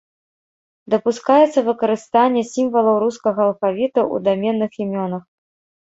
Дапускаецца выкарыстанне сімвалаў рускага алфавіта ў даменных імёнах.